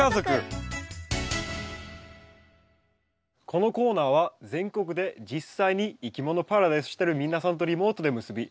このコーナーは全国で実際にいきものパラダイスしてる皆さんとリモートで結び